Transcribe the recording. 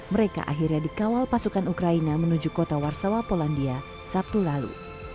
mereka akhirnya dikawal pasukan ukraina menuju kota warsawa polandia sabtu lalu